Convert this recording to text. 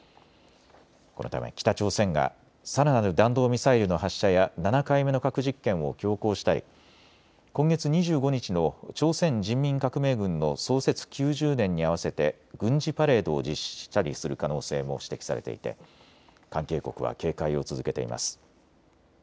このため北朝鮮がさらなる弾道ミサイルの発射や７回目の核実験を強行したり今月２５日の朝鮮人民革命軍の創設９０年に合わせて軍事パレードを実施したりする可能性も指摘されていて関係国は警戒を続けています。